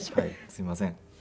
すいません。